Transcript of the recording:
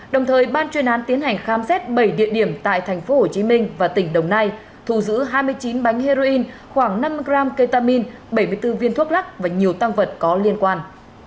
đồng thời ban chuyên án tiến hành khám xét bảy địa điểm tại tp hcm và tỉnh đồng nai thu giữ hai mươi chín bánh heroin khoảng năm gram ketamin bảy mươi bốn viên thuốc lắc và nhiều tăng vật có liên quan